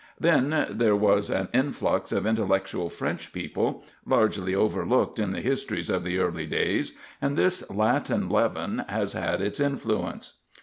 Then there was an influx of intellectual French people, largely overlooked in the histories of the early days; and this Latin leaven has had its influence.